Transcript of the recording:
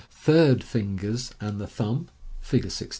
third fingers and the thumb (see Fig.